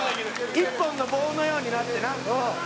「一本の棒のようになってな」